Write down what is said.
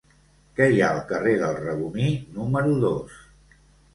Què hi ha al carrer del Regomir número dos?